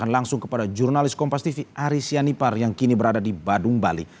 langsung kepada jurnalis kompas tv aris yanipar yang kini berada di badung bali